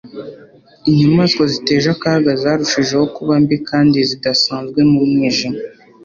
inyamaswa ziteje akaga zarushijeho kuba mbi kandi zidasanzwe mu mwijima